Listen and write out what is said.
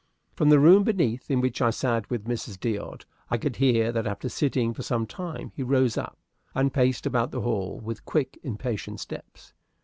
From the room beneath, in which I sat with Mrs. D'Odd, I could hear that after sitting for some time he rose up, and paced about the hall with quick, impatient steps.